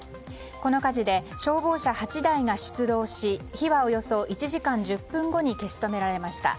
この火事で消防車８台が出動し火はおよそ１時間１０分後に消し止められました。